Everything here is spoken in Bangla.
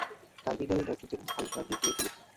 টার্মিনাল নাইট্রোজেন হালকা নিউক্লিওফিলিক।